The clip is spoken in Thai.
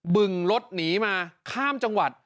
บึงรถหนีมาข้ามจังหวัด